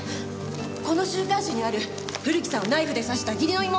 この週刊誌にある古木さんをナイフで刺した義理の妹って。